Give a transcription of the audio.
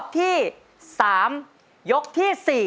ที่๓ยกที่๔